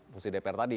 fungsi dpr tadi